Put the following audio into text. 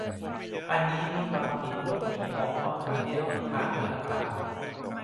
อันนี้มีความผิดหลบหนีออกนอกประเทศต้นทางด้วยเหรอครับ